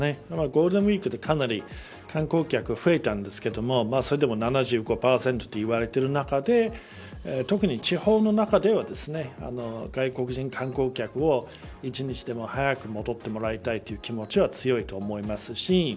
ゴールデンウイークでかなり観光客が増えたんですけどそれでも７５％と言われている中で特に地方の中では外国人観光客を１日でも早く戻ってもらいたいという気持ちが強いと思いますし